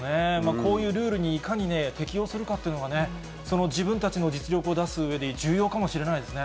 こういうルールに、いかに適応するかっていうのが、その自分たちの実力を出すうえで、重要かもしれないですね。